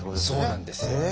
そうなんです。